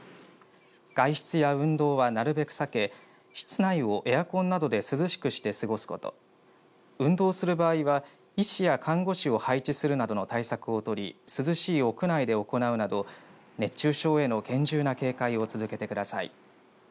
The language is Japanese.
外出や運動はなるべく避け室内をエアコンなどで涼しくして過ごすこと運動する場合は医師や看護師を配置するなどの対策を取り涼しい屋内で行うなど熱中症への厳重な警戒を続けてください。